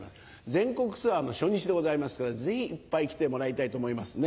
全国ツアーの初日でございますからぜひいっぱい来てもらいたいと思いますね。